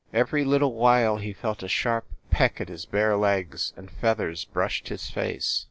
Every little while he felt a sharp peck at his bare legs, and feathers brushed his face.